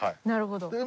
なるほど。